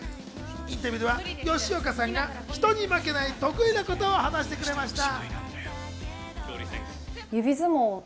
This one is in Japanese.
インタビューでは吉岡さんが人に負けない得意なことを話してくれました。